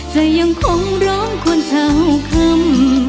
ใจยังคงร้องคนเฉาคำ